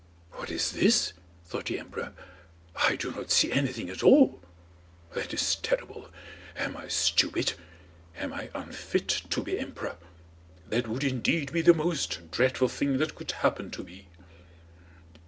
"What is this?" thought the emperor, "I do not see anything at all. That is terrible! Am I stupid? Am I unfit to be emperor? That would indeed be the most dreadful thing that could happen to me."